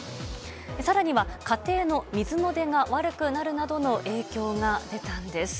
更には、家庭の水の出が悪くなるなどの影響が出たんです。